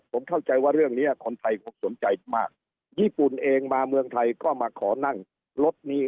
ผมเข้าใจว่าเรื่องเนี้ยคนไทยคงสนใจมากญี่ปุ่นเองมาเมืองไทยก็มาขอนั่งรถนี้